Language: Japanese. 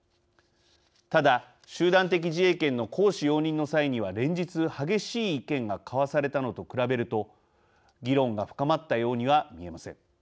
ただ、集団的自衛権の行使容認の際には連日、激しい意見が交わされたのと比べると議論が深まったようには見えません。